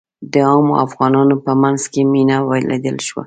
د عامو افغانانو په منځ کې مينه ولیدل شوه.